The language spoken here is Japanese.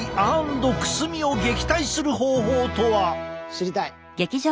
知りたい！